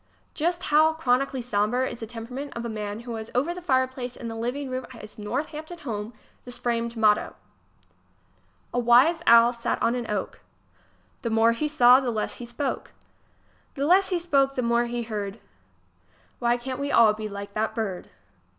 Just how chronically sombre is the temperament of the man who has over the fireplace in the living room at his Northampton home this framed motto : A wise old owl sat on an oak, The more he saw, the less he spoke. The less he spoke, the more he heard. Why cant we all be like that bird!